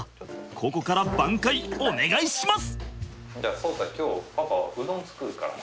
ここから挽回お願いします！